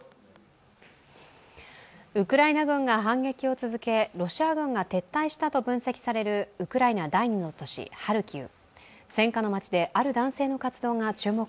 ウクライナ軍が反撃を続け、ロシア軍が撤退したと分析されるウクライナ第二の都市・ハルキウ。